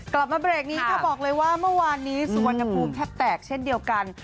กลับมาเบรกนี้ค่ะบอกเลยว่าเมื่อวานนี้สุวรรณภูมิแทบแตกเช่นเดียวกัน